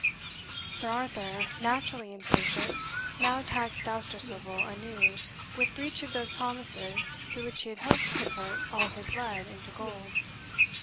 Sir Arthur, naturally impatient, now taxed Dousterswivel anew with breach of those promises through which he had hoped to convert all his lead into gold.